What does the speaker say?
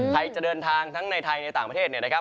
จะเดินทางทั้งในไทยในต่างประเทศเนี่ยนะครับ